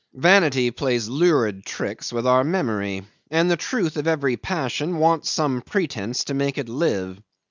Vanity plays lurid tricks with our memory, and the truth of every passion wants some pretence to make it live.